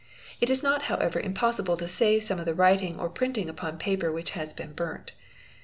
| It is not however impossible to save some of the writing or printing upon paper which has been burnt.